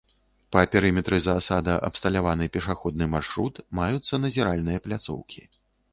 Па перыметры заасада абсталяваны пешаходны маршрут, маюцца назіральныя пляцоўкі.